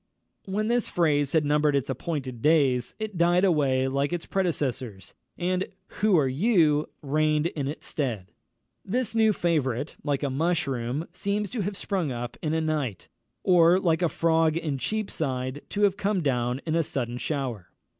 When this phrase had numbered its appointed days, it died away like its predecessors, and "Who are you?" reigned in its stead. This new favourite, like a mushroom, seems to have sprung up in a night, or, like a frog in Cheapside, to have come down in a sudden shower.